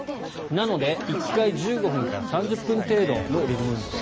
なので１回１５分から３０分程度のリズム運動